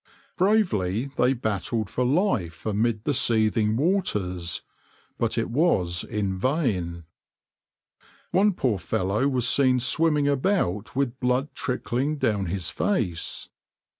Bravely they battled for life amid the seething waters, but it was in vain. One poor fellow was seen swimming about with blood trickling down his face.